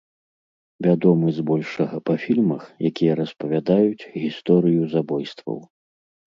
Вядомы, збольшага, па фільмах, якія распавядаюць гісторыю забойстваў.